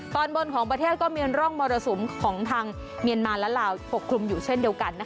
ตอนบนของประเทศก็มีร่องมรสุมของทางเมียนมาและลาวปกคลุมอยู่เช่นเดียวกัน